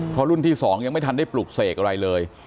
เพราะรุ่นที่๒ยังไม่ทันได้ปลุกเสกอะไรเลย